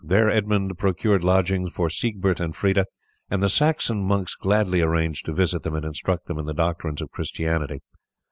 There Edmund procured lodgings for Siegbert and Freda, and the Saxon monks gladly arranged to visit them and instruct them in the doctrines of Christianity.